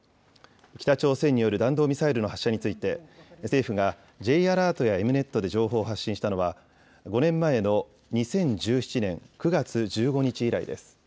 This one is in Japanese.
北朝鮮による弾道ミサイルの発射について、政府がＪアラートやＥｍ−Ｎｅｔで情報を発信したのは、５年前の２０１７年９月１５日以来です。